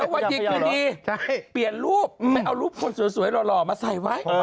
เออเป็นอัตโดยีคืนดีเปลี่ยนรูปไปเอารูปคนสวยหล่อมาใส่ไว้